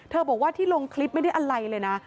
บอกว่าที่ลงคลิปไม่ได้อะไรเลยนะ